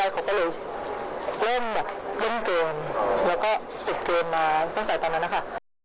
แล้วก็ติดเกินมาตั้งแต่ตอนนั้นค่ะ